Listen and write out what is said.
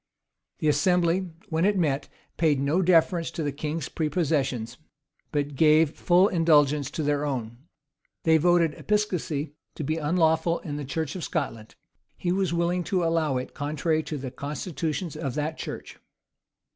The assembly, when it met, paid no deference to the king's prepossessions, but gave full indulgence to their own. They voted episcopacy to be unlawful in the church of Scotland: he was willing to allow it contrary to the constitutions of that church.